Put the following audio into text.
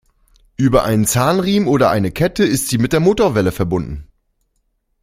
Über einen Zahnriemen oder eine Kette ist sie mit der Motorwelle verbunden.